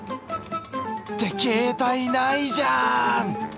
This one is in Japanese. って携帯ないじゃん！